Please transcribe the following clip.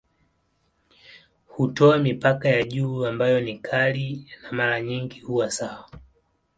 Hutoa mipaka ya juu ambayo ni kali na mara nyingi huwa sawa.